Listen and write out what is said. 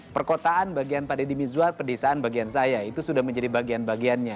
perkotaan bagian pak deddy mizwar pedesaan bagian saya itu sudah menjadi bagian bagiannya